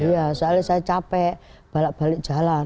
iya soalnya saya capek balik balik jalan